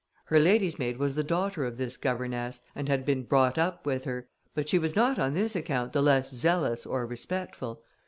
Her lady's maid was the daughter of this governess, and had been brought up with her, but she was not on this account the less zealous or respectful.